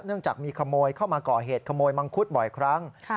จากมีขโมยเข้ามาก่อเหตุขโมยมังคุดบ่อยครั้ง